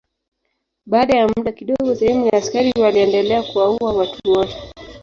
Baada ya muda kidogo sehemu ya askari waliendelea kuwaua watu wote.